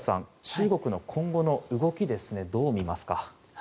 中国の今後の動きどうみますか？